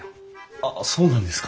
ああそうなんですか。